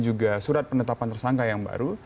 juga surat penetapan tersangka yang baru